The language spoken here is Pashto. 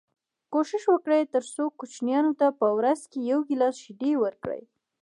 کوښښ وکړئ تر څو کوچنیانو ته په ورځ کي یو ګیلاس شیدې ورکړی